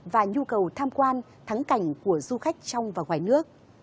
và nhu cầu tham quan thắng cảnh của du khách trong và ngoài nước